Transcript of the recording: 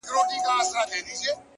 ماسومان زموږ وېريږي ورځ تېرېږي’